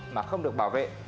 mà không được bảo vệ